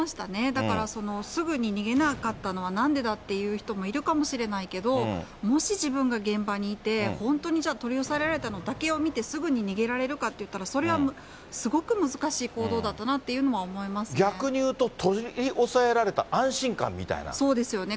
だから、すぐに逃げなかったのはなんでだって言う人もいるかもしれないけれども、もし、自分が現場にいて、本当にじゃあ、取り押さえられたのだけを見て、すぐに逃げられるかっていうのは、それはすごく難逆に言うと、取り押さえられそうですよね。